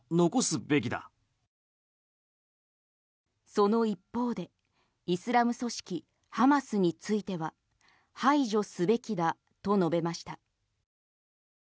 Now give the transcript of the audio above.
その一方でイスラム組織ハマスについては排除すべきだと述べました。